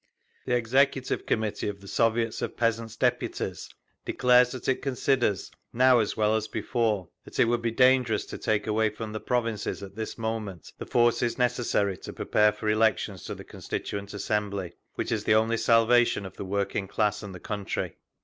The Executive Committee of the Soviets of Peasants' Deputies declares that it considers, now as well as before, that it would be dangerous to take away from the provinces at this moment the forces necessary to prepare for elections to the Constituent Assembly, which is the only salvation of the working class and the country.